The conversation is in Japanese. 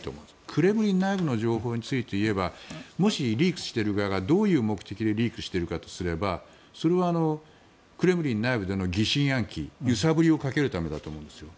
クレムリン内部の情報についていえばもし、リークしている側がどういう目的でリークしているかとすればそれはクレムリン内部での疑心暗鬼揺さぶりをかけるためだと思うんですよ。